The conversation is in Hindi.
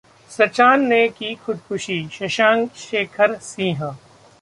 सचान ने की खुदकुशी: शशांक शेखर सिंह